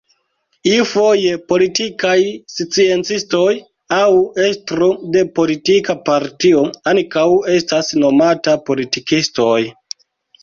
Iufoje politikaj sciencistoj aŭ estro de politika partio ankaŭ estas nomata politikistoj.